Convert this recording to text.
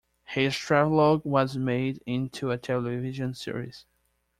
His travelogue was made into a television series.